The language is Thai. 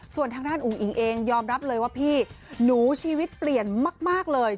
ส่วนทางด้านอุ๋งอิ๋งเองยอมรับเลยว่าพี่หนูชีวิตเปลี่ยนมากเลย